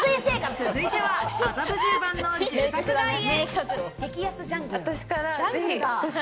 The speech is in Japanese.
続いては麻布十番の住宅街へ。